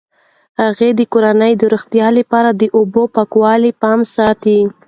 هغې د کورنۍ د روغتیا لپاره د اوبو د پاکوالي پام ساتي.